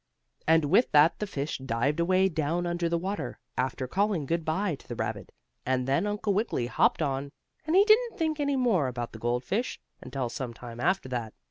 And with that the fish dived away down under the water, after calling good bye to the rabbit, and then Uncle Wiggily hopped on, and he didn't think any more about the goldfish, until some time after that.